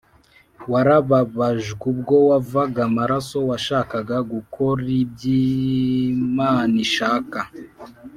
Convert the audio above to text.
Warababajw' ubwo wavag' amaraso, Washakaga gukor' iby' Iman' ishaka.